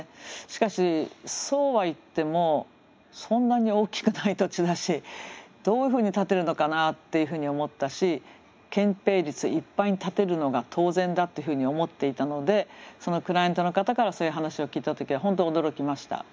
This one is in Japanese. しかしそうはいってもそんなに大きくない土地だしどういうふうに建てるのかなっていうふうに思ったし建ぺい率いっぱいに建てるのが当然だっていうふうに思っていたのでそのクライアントの方からそういう話を聞いた時は本当驚きました。